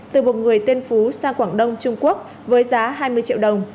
từ một người tên phú sang quảng đông trung quốc với giá hai mươi triệu đồng